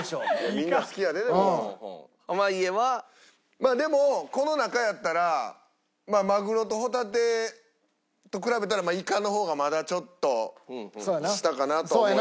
まあでもこの中やったらマグロとホタテと比べたらイカの方がまだちょっと下かなと。